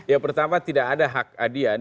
yang pertama tidak ada hak adian